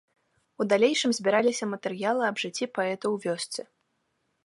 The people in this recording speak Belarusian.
У далейшым збіраліся матэрыялы аб жыцці паэта ў вёсцы.